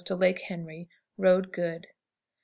Lake Henry. Road good. 18 3/4.